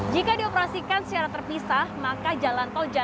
jika dioperasikan secara terpisah maka jalan tol jakarta